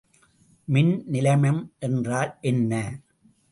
மின்நிலைமம் என்றால் என்ன?